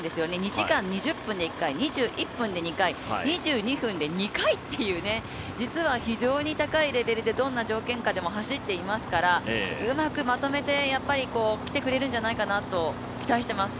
２時間２０分で２回２１分で２回２２分で２回という実は非常に高いレベルでどんな条件下でも走っていますから、うまくまとめてやっぱり来てくれるんじゃないかなと期待しています。